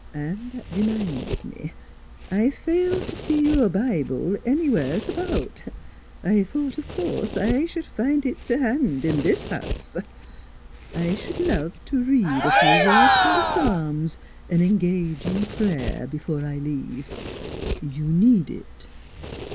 ... An' that r'minds me, I fail t' see your Bi ble anywheres about. I thought, of course, I sh'd find it right t' han' in this house. I sh'd love t' read a few words from th' Psa'ms an' engage in prayer be fore I leave. You need it."